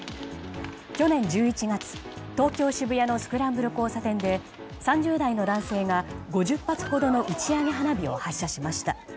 去年１１月、東京・渋谷のスクランブル交差点で３０代の男性が５０発ほどの打ち上げ花火を発射しました。